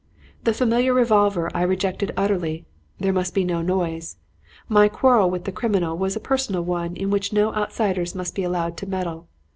The familiar revolver I rejected utterly. There must be no noise. My quarrel with the criminal was a personal one in which no outsiders must be allowed to meddle.